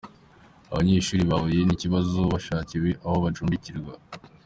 Abanyeshuri bahuye n’ikibazo bashakiwe aho bacumbikirwa.